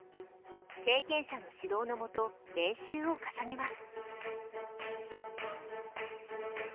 経験者の指導のもと練習を重ねます。